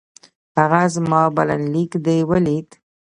هغه زما بلنليک دې ولېد؟